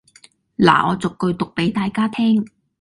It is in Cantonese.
拿我逐句讀俾大家聽